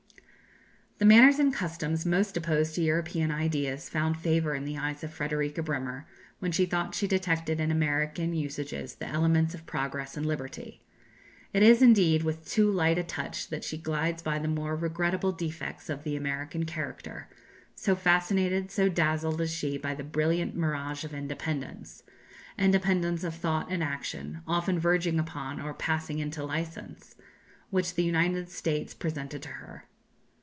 The manners and customs most opposed to European ideas found favour in the eyes of Frederika Bremer, when she thought she detected in American usages the elements of progress and liberty. It is, indeed, with too light a touch that she glides by the more regrettable defects of the American character, so fascinated, so dazzled is she by the brilliant mirage of independence independence of thought and action, often verging upon or passing into licence which the United States presented to her.